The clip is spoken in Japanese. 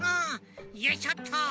よいしょっと。